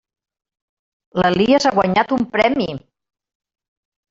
L'Elies ha guanyat un premi!